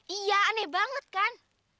iya aneh banget kan